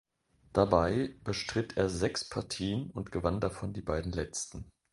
Dabei bestritt er sechs Partien und gewann davon die beiden letzten.